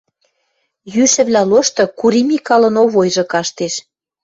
Йӱшӹвлӓ лошты Кури Микалын Овойжы каштеш